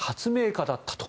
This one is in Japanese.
家だったと。